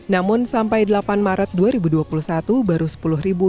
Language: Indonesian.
namun sampai delapan maret dua ribu dua puluh satu baru sepuluh ribu